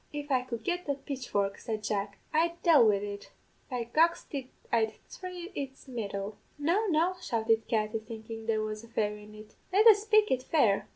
"'If I could get the pitchfork,' said Jack, 'I'd dale wid it by goxty I'd thry its mettle.' "'No, no,' shouted Katty, thinkin' there was a fairy in it; 'let us spake it fair.